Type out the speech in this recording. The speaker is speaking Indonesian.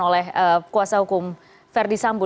oleh kuasa hukum verdi sambo